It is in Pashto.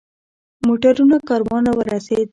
موټرونو کاروان را ورسېد.